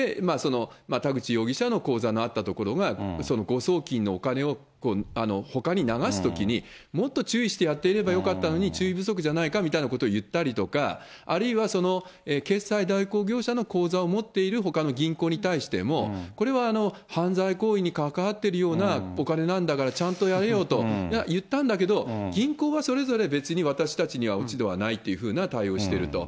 田口容疑者の口座のあったところが、その誤送金のお金をほかに流すときに、もっと注意してやっていればよかったのに、注意不足じゃないかみたいなことを言ったりとか、あるいは決済代行業者の口座を持っているほかの銀行に対しても、これは犯罪行為に関わっているようなお金なんだから、ちゃんとやれよと言ったんだけども、銀行はそれぞれ、別に私たちには落ち度はないというふうな対応をしてると。